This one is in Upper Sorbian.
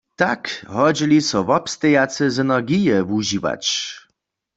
Tak hodźeli so wobstejace synergije wužiwać.